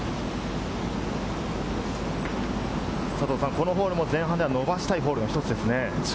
このホールも前半では伸ばしたいホールの１つですね。